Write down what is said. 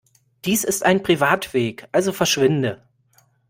Dies ist ein Privatweg, also verschwinde!